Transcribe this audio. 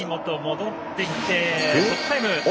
戻ってきてトップタイム。